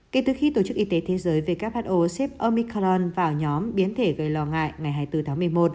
kể từ khi tổ chức y tế thế giới who xếp omican vào nhóm biến thể gây lo ngại ngày hai mươi bốn tháng một mươi một